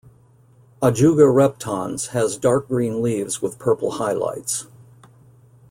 "Ajuga reptans" has dark green leaves with purple highlights.